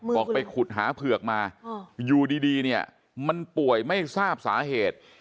ไปขุดหาเผือกมาอยู่ดีเนี่ยมันป่วยไม่ทราบสาเหตุ